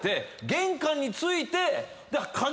玄関に着いて鍵